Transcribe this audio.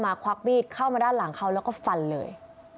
ควักมีดเข้ามาด้านหลังเขาแล้วก็ฟันเลย